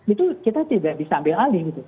itu kita tidak bisa ambil alih